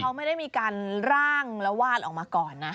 เขาไม่ได้มีการร่างแล้ววาดออกมาก่อนนะ